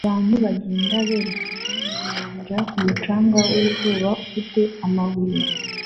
Abantu bagenda berekeza ku nyanja ku mucanga wizuba ufite amabuye